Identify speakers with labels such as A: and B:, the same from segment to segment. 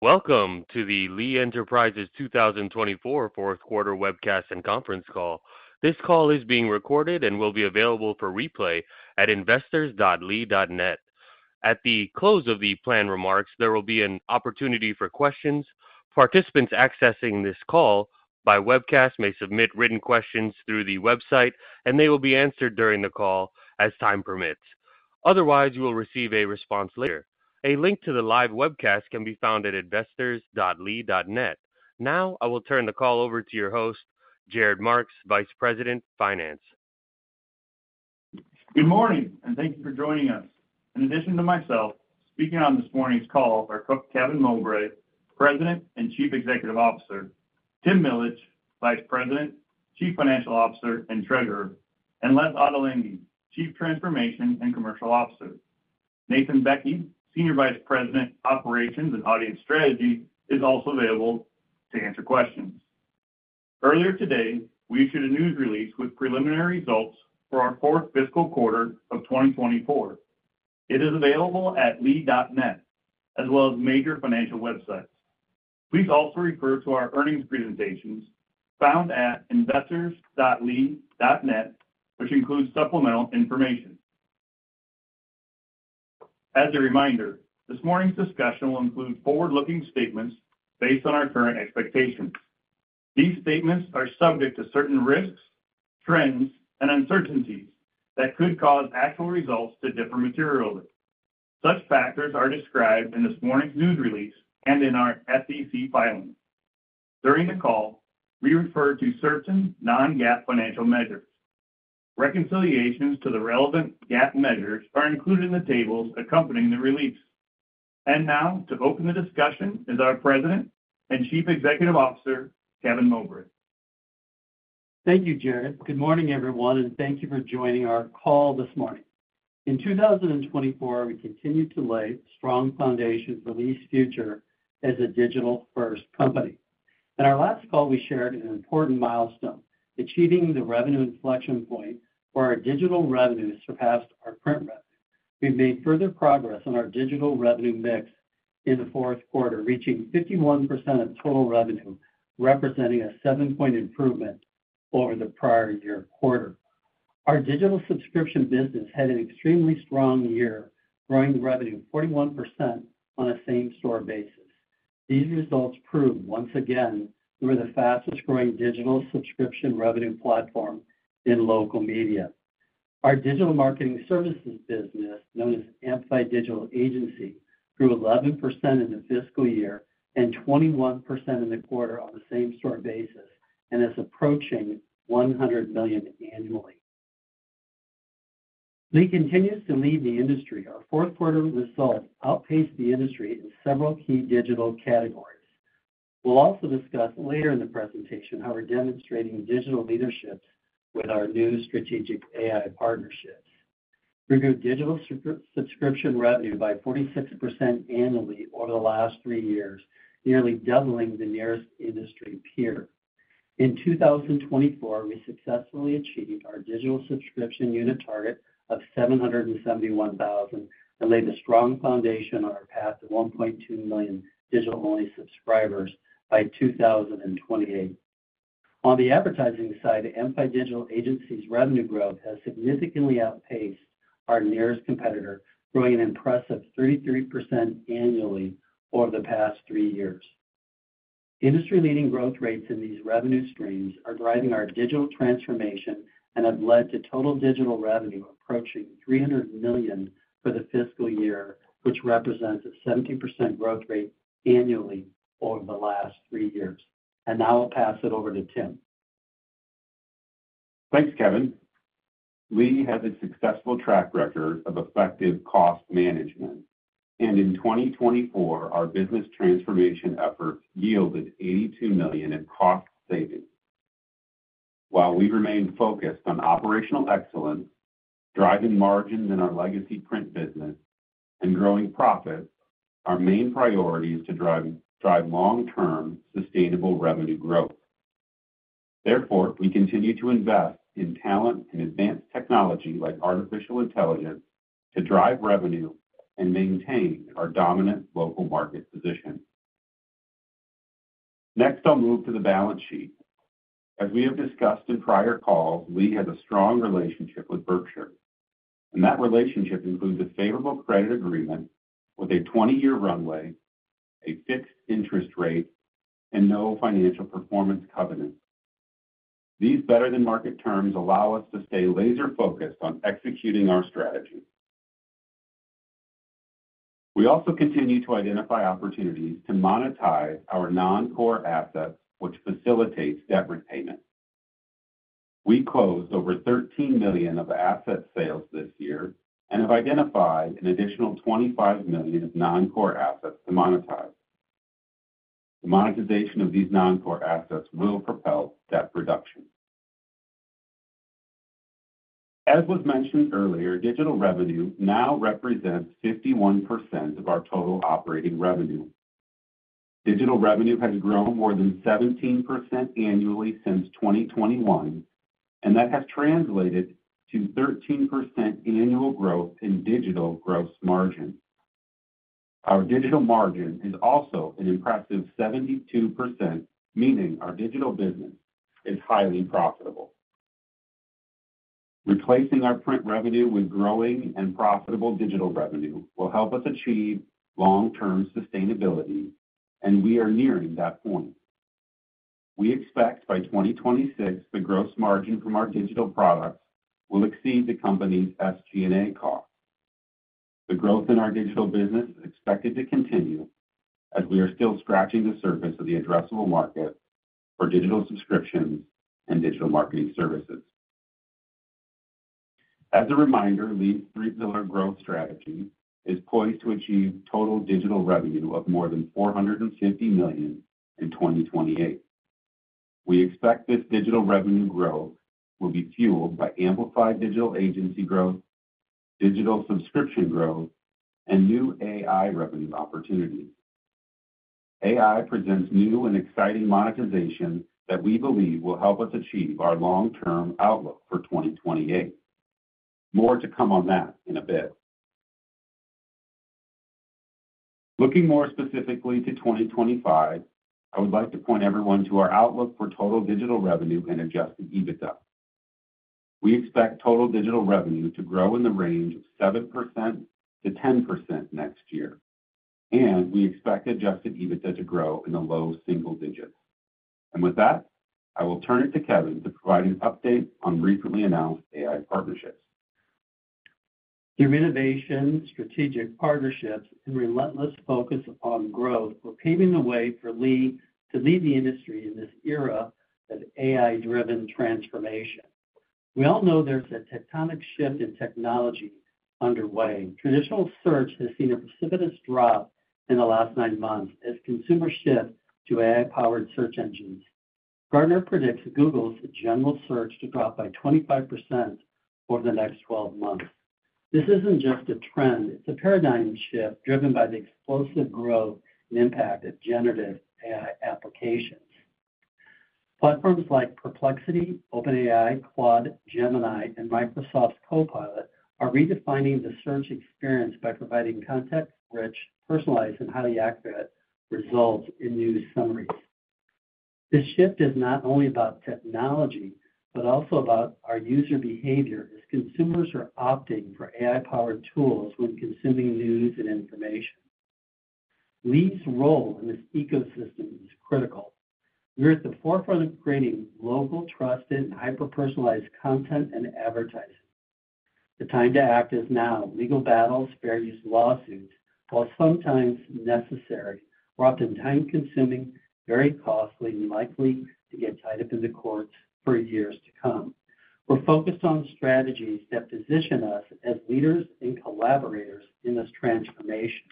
A: Welcome to the Lee Enterprises 2024 Fourth Quarter Webcast and Conference Call. This call is being recorded and will be available for replay at investors.lee.net. At the close of the planned remarks, there will be an opportunity for questions. Participants accessing this call by webcast may submit written questions through the website, and they will be answered during the call as time permits. Otherwise, you will receive a response later. A link to the live webcast can be found at investors.lee.net. Now, I will turn the call over to your host, Jared Marks, Vice President, Finance.
B: Good morning, and thank you for joining us. In addition to myself, speaking on this morning's call are Kevin Mowbray, President and Chief Executive Officer, Tim Millage, Vice President, Chief Financial Officer and Treasurer, and Les Ottolenghi, Chief Transformation and Commercial Officer. Nathan Bekke, Senior Vice President, Operations and Audience Strategy, is also available to answer questions. Earlier today, we issued a news release with preliminary results for our fourth fiscal quarter of 2024. It is available at lee.net, as well as major financial websites. Please also refer to our earnings presentations found at investors.lee.net, which includes supplemental information. As a reminder, this morning's discussion will include forward-looking statements based on our current expectations. These statements are subject to certain risks, trends, and uncertainties that could cause actual results to differ materially. Such factors are described in this morning's news release and in our SEC filing. During the call, we refer to certain non-GAAP financial measures. Reconciliations to the relevant GAAP measures are included in the tables accompanying the release, and now to open the discussion is our President and Chief Executive Officer, Kevin Mowbray.
C: Thank you, Jared. Good morning, everyone, and thank you for joining our call this morning. In 2024, we continue to lay strong foundations for Lee's future as a digital-first company. In our last call, we shared an important milestone: achieving the revenue inflection point where our digital revenue surpassed our print revenue. We've made further progress on our digital revenue mix in the fourth quarter, reaching 51% of total revenue, representing a seven-point improvement over the prior year quarter. Our digital subscription business had an extremely strong year, growing revenue 41% on a same-store basis. These results prove, once again, we're the fastest-growing digital subscription revenue platform in local media. Our digital marketing services business, known as Amplify Digital Agency, grew 11% in the fiscal year and 21% in the quarter on the same-store basis and is approaching $100 million annually. Lee continues to lead the industry. Our fourth-quarter results outpaced the industry in several key digital categories. We'll also discuss later in the presentation how we're demonstrating digital leadership with our new strategic AI partnerships. We grew digital subscription revenue by 46% annually over the last three years, nearly doubling the nearest industry peer. In 2024, we successfully achieved our digital subscription unit target of 771,000 and laid a strong foundation on our path to 1.2 million digital-only subscribers by 2028. On the advertising side, Amplify Digital Agency's revenue growth has significantly outpaced our nearest competitor, growing an impressive 33% annually over the past three years. Industry-leading growth rates in these revenue streams are driving our digital transformation and have led to total digital revenue approaching $300 million for the fiscal year, which represents a 70% growth rate annually over the last three years. And now I'll pass it over to Tim.
D: Thanks, Kevin. Lee has a successful track record of effective cost management, and in 2024, our business transformation efforts yielded $82 million in cost savings. While we remain focused on operational excellence, driving margins in our legacy print business, and growing profits, our main priority is to drive long-term sustainable revenue growth. Therefore, we continue to invest in talent and advanced technology like artificial intelligence to drive revenue and maintain our dominant local market position. Next, I'll move to the balance sheet. As we have discussed in prior calls, Lee has a strong relationship with Berkshire, and that relationship includes a favorable credit agreement with a 20-year runway, a fixed interest rate, and no financial performance covenants. These better-than-market terms allow us to stay laser-focused on executing our strategy. We also continue to identify opportunities to monetize our non-core assets, which facilitates debt repayment. We closed over $13 million of asset sales this year and have identified an additional $25 million of non-core assets to monetize. The monetization of these non-core assets will propel debt reduction. As was mentioned earlier, digital revenue now represents 51% of our total operating revenue. Digital revenue has grown more than 17% annually since 2021, and that has translated to 13% annual growth in digital gross margin. Our digital margin is also an impressive 72%, meaning our digital business is highly profitable. Replacing our print revenue with growing and profitable digital revenue will help us achieve long-term sustainability, and we are nearing that point. We expect by 2026, the gross margin from our digital products will exceed the company's SG&A costs. The growth in our digital business is expected to continue as we are still scratching the surface of the addressable market for digital subscriptions and digital marketing services. As a reminder, Lee's three-pillar growth strategy is poised to achieve total digital revenue of more than $450 million in 2028. We expect this digital revenue growth will be fueled by Amplified Digital Agency growth, digital subscription growth, and new AI revenue opportunities. AI presents new and exciting monetization that we believe will help us achieve our long-term outlook for 2028. More to come on that in a bit. Looking more specifically to 2025, I would like to point everyone to our outlook for total digital revenue and Adjusted EBITDA. We expect total digital revenue to grow in the range of 7%-10% next year, and we expect Adjusted EBITDA to grow in the low single digits, and with that, I will turn it to Kevin to provide an update on recently announced AI partnerships.
C: Human innovation, strategic partnerships, and relentless focus on growth are paving the way for Lee to lead the industry in this era of AI-driven transformation. We all know there's a tectonic shift in technology underway. Traditional search has seen a precipitous drop in the last nine months as consumers shift to AI-powered search engines. Gartner predicts Google's general search to drop by 25% over the next 12 months. This isn't just a trend. It's a paradigm shift driven by the explosive growth and impact of generative AI applications. Platforms like Perplexity, OpenAI, Claude, Gemini, and Microsoft's Copilot are redefining the search experience by providing context-rich, personalized, and highly accurate results in new summaries. This shift is not only about technology, but also about our user behavior as consumers are opting for AI-powered tools when consuming news and information. Lee's role in this ecosystem is critical. We're at the forefront of creating local, trusted, and hyper-personalized content and advertising. The time to act is now. Legal battles, fair use lawsuits, while sometimes necessary, are often time-consuming, very costly, and likely to get tied up in the courts for years to come. We're focused on strategies that position us as leaders and collaborators in this transformation.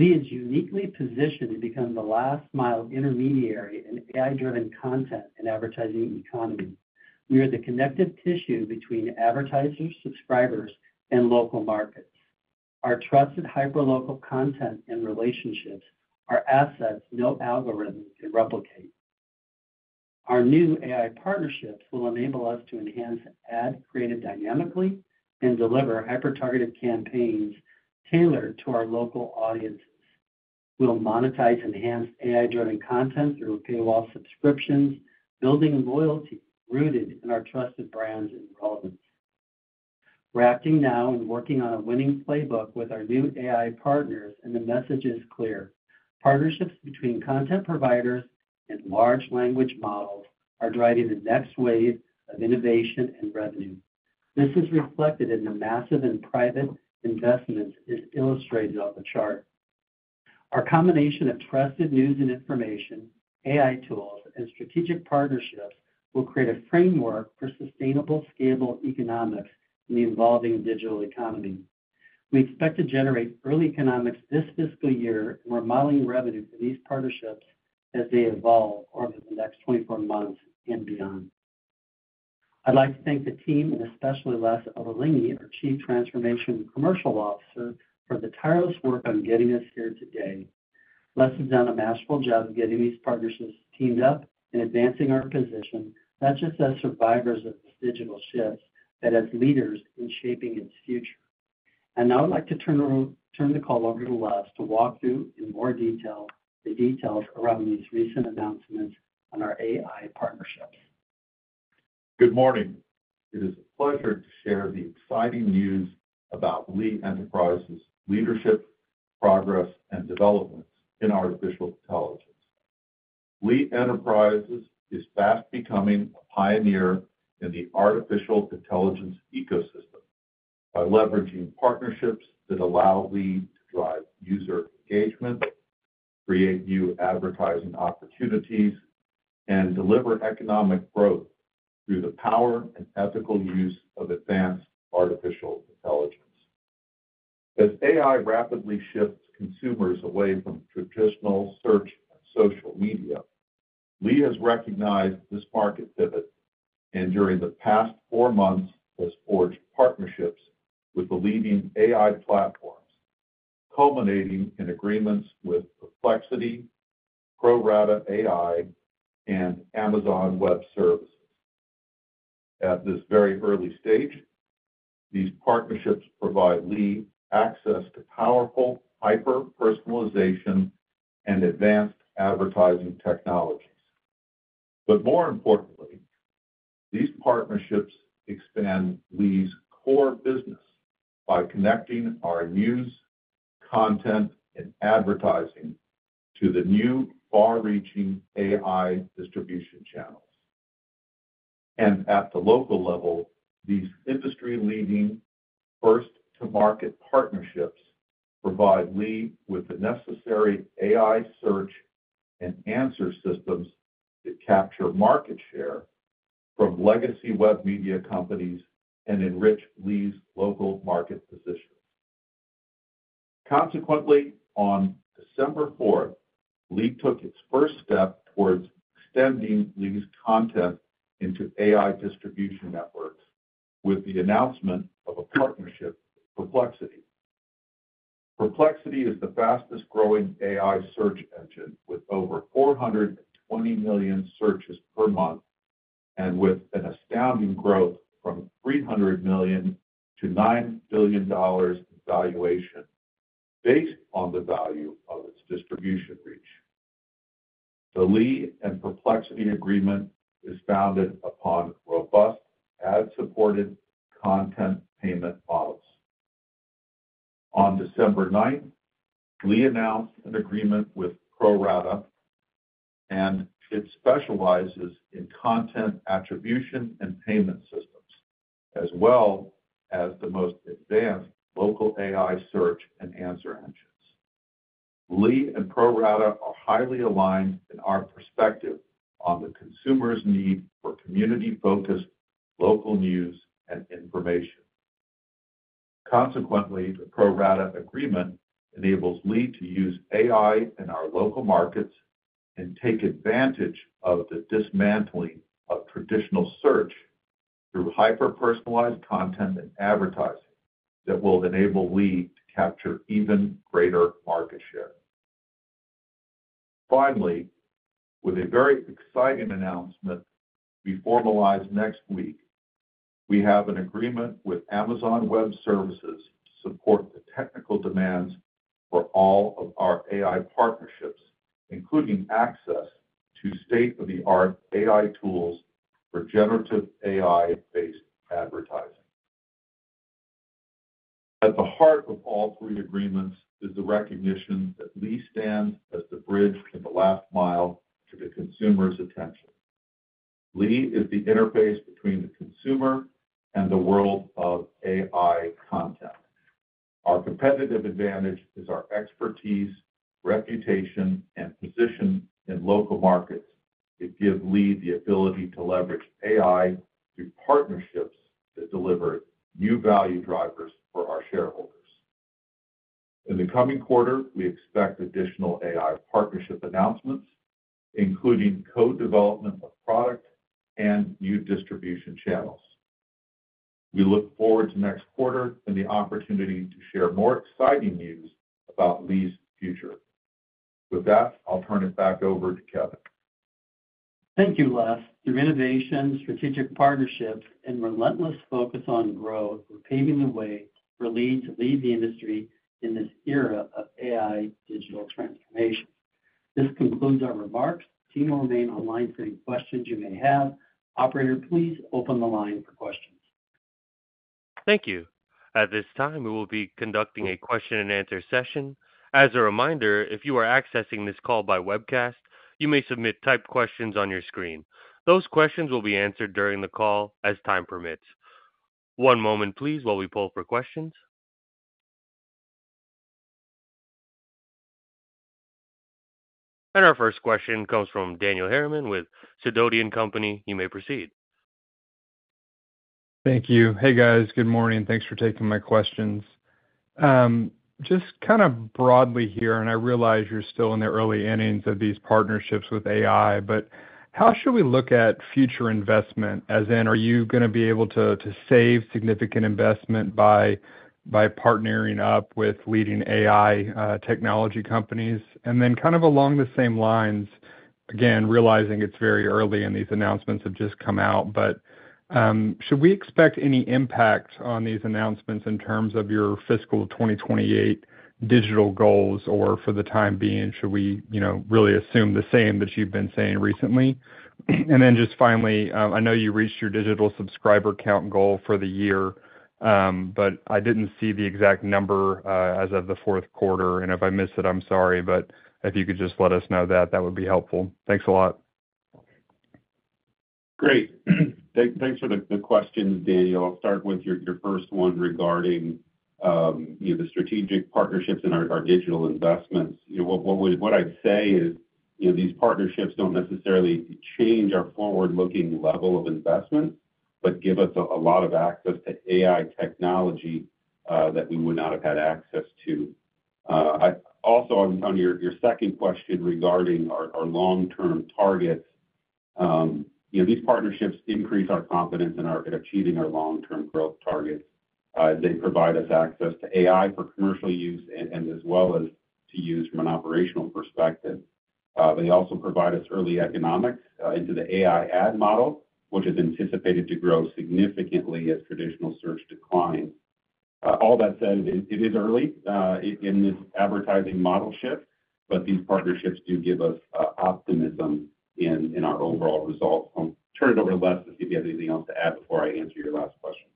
C: Lee is uniquely positioned to become the last-mile intermediary in AI-driven content and advertising economy. We are the connective tissue between advertisers, subscribers, and local markets. Our trusted hyper-local content and relationships are assets no algorithms can replicate. Our new AI partnerships will enable us to enhance ad creative dynamically and deliver hyper-targeted campaigns tailored to our local audiences. We'll monetize enhanced AI-driven content through paywall subscriptions, building loyalty rooted in our trusted brands and relevance. We're acting now and working on a winning playbook with our new AI partners, and the message is clear: partnerships between content providers and large language models are driving the next wave of innovation and revenue. This is reflected in the massive and private investments as illustrated on the chart. Our combination of trusted news and information, AI tools, and strategic partnerships will create a framework for sustainable, scalable economics in the evolving digital economy. We expect to generate early economics this fiscal year and remodeling revenue for these partnerships as they evolve over the next 24 months and beyond. I'd like to thank the team and especially Les Ottolenghi, our Chief Transformation and Commercial Officer, for the tireless work on getting us here today. Les has done a masterful job of getting these partnerships teamed up and advancing our position not just as survivors of this digital shift, but as leaders in shaping its future, and now I'd like to turn the call over to Les to walk through in more detail the details around these recent announcements on our AI partnerships.
E: Good morning. It is a pleasure to share the exciting news about Lee Enterprises' leadership, progress, and developments in artificial intelligence. Lee Enterprises is fast becoming a pioneer in the artificial intelligence ecosystem by leveraging partnerships that allow Lee to drive user engagement, create new advertising opportunities, and deliver economic growth through the power and ethical use of advanced artificial intelligence. As AI rapidly shifts consumers away from traditional search and social media, Lee has recognized this market pivot, and during the past four months, has forged partnerships with the leading AI platforms, culminating in agreements with Perplexity, ProRata AI, and Amazon Web Services. At this very early stage, these partnerships provide Lee access to powerful hyper-personalization and advanced advertising technologies. But more importantly, these partnerships expand Lee's core business by connecting our news, content, and advertising to the new, far-reaching AI distribution channels. At the local level, these industry-leading first-to-market partnerships provide Lee with the necessary AI search and answer systems that capture market share from legacy web media companies and enrich Lee's local market position. Consequently, on December 4th, Lee took its first step towards extending Lee's content into AI distribution networks with the announcement of a partnership with Perplexity. Perplexity is the fastest-growing AI search engine with over 420 million searches per month and with an astounding growth from $300 million - $9 billion in valuation based on the value of its distribution reach. The Lee and Perplexity agreement is founded upon robust ad-supported content payment models. On December 9th, Lee announced an agreement with ProRata, and it specializes in content attribution and payment systems, as well as the most advanced local AI search and answer engines. Lee and ProRata are highly aligned in our perspective on the consumer's need for community-focused local news and information. Consequently, the ProRata agreement enables Lee to use AI in our local markets and take advantage of the dismantling of traditional search through hyper-personalized content and advertising that will enable Lee to capture even greater market share. Finally, with a very exciting announcement we formalize next week, we have an agreement with Amazon Web Services to support the technical demands for all of our AI partnerships, including access to state-of-the-art AI tools for generative AI-based advertising. At the heart of all three agreements is the recognition that Lee stands as the bridge in the last mile to the consumer's attention. Lee is the interface between the consumer and the world of AI content. Our competitive advantage is our expertise, reputation, and position in local markets that give Lee the ability to leverage AI through partnerships that deliver new value drivers for our shareholders. In the coming quarter, we expect additional AI partnership announcements, including co-development of product and new distribution channels. We look forward to next quarter and the opportunity to share more exciting news about Lee's future. With that, I'll turn it back over to Kevin.
C: Thank you, Les. Through innovation, strategic partnerships, and relentless focus on growth, we're paving the way for Lee to lead the industry in this era of AI digital transformation. This concludes our remarks. The team will remain online for any questions you may have. Operator, please open the line for questions.
A: Thank you. At this time, we will be conducting a question-and-answer session. As a reminder, if you are accessing this call by webcast, you may submit typed questions on your screen. Those questions will be answered during the call as time permits. One moment, please, while we pull for questions. And our first question comes from Daniel Harriman with Sidoti & Company. You may proceed.
F: Thank you. Hey, guys. Good morning. Thanks for taking my questions. Just kind of broadly here, and I realize you're still in the early innings of these partnerships with AI, but how should we look at future investment? As in, are you going to be able to save significant investment by partnering up with leading AI technology companies? And then kind of along the same lines, again, realizing it's very early and these announcements have just come out, but should we expect any impact on these announcements in terms of your fiscal 2028 digital goals? Or for the time being, should we really assume the same that you've been saying recently? And then just finally, I know you reached your digital subscriber count goal for the year, but I didn't see the exact number as of the fourth quarter. And if I missed it, I'm sorry, but if you could just let us know that, that would be helpful. Thanks a lot.
D: Great. Thanks for the questions, Daniel. I'll start with your first one regarding the strategic partnerships and our digital investments. What I'd say is these partnerships don't necessarily change our forward-looking level of investment, but give us a lot of access to AI technology that we would not have had access to. Also, on your second question regarding our long-term targets, these partnerships increase our confidence in achieving our long-term growth targets. They provide us access to AI for commercial use and as well as to use from an operational perspective. They also provide us early economics into the AI ad model, which is anticipated to grow significantly as traditional search declines. All that said, it is early in this advertising model shift, but these partnerships do give us optimism in our overall results. I'll turn it over to Les to see if he has anything else to add before I answer your last question.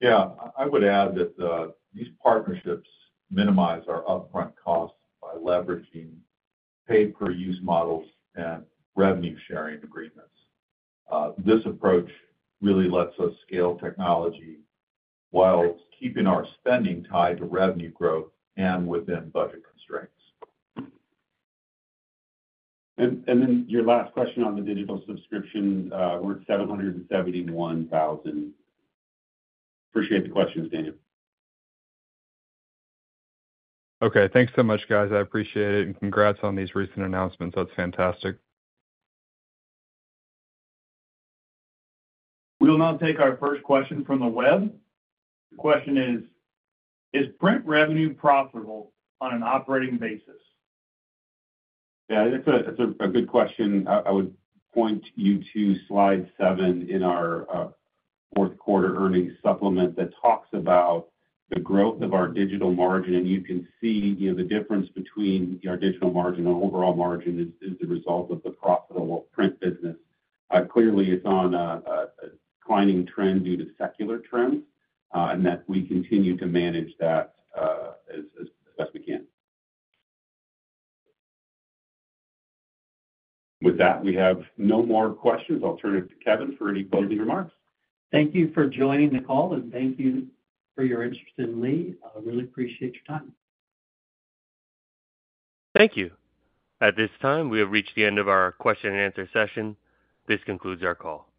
E: Yeah. I would add that these partnerships minimize our upfront costs by leveraging pay-per-use models and revenue-sharing agreements. This approach really lets us scale technology while keeping our spending tied to revenue growth and within budget constraints.
D: And then your last question on the digital subscription, we're at 771,000. Appreciate the questions, Daniel.
F: Okay. Thanks so much, guys. I appreciate it. And congrats on these recent announcements. That's fantastic.
A: We'll now take our first question from the web. The question is, is print revenue profitable on an operating basis?
E: Yeah. It's a good question. I would point you to slide seven in our fourth quarter earnings supplement that talks about the growth of our digital margin. And you can see the difference between our digital margin and overall margin is the result of the profitable print business. Clearly, it's on a declining trend due to secular trends and that we continue to manage that as best we can.
B: With that, we have no more questions. I'll turn it to Kevin for any closing remarks.
C: Thank you for joining the call, and thank you for your interest in Lee. I really appreciate your time.
A: Thank you. At this time, we have reached the end of our question-and-answer session. This concludes our call.